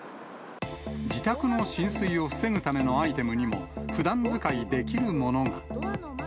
自宅の浸水を防ぐためのアイテムにも、ふだん使いできるものが。